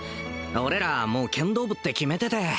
俺らもう剣道部って決めてて